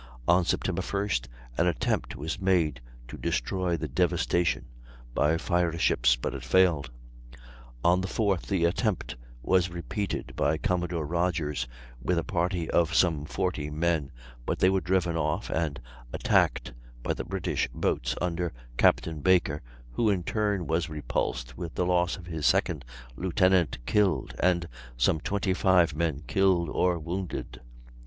On September 1st an attempt was made to destroy the Devastation by fire ships, but it failed; on the 4th the attempt was repeated by Commodore Rodgers, with a party of some forty men, but they were driven off and attacked by the British boats, under Captain Baker, who in turn was repulsed with the loss of his second lieutenant killed, and some twenty five men killed or wounded.